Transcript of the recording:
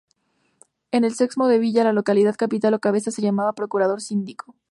En el sexmo de villa, la localidad capital o cabeza se llamaba procurador síndico.